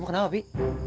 kamu kenapa bi